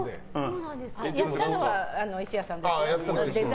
やったの石屋さんですよ。